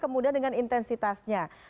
kemudian dengan intensitasnya